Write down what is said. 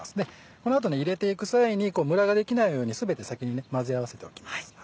この後入れていく際にムラができないように全て先に混ぜ合わせておきます。